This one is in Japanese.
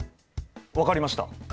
分かりました。